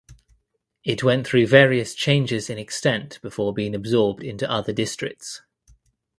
It went through various changes in extent before being absorbed into other districts.